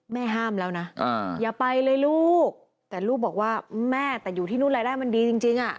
แม่ห้ามแล้วนะอย่าไปเลยลูกแต่ลูกบอกว่าแม่แต่อยู่ที่นู่นรายได้มันดีจริงอ่ะ